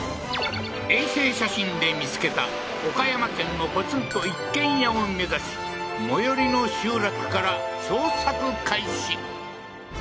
衛星写真で見つけた岡山県のポツンと一軒家を目指し最寄りの集落から捜索開始